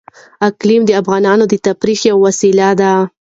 اقلیم د افغانانو د تفریح یوه وسیله ده.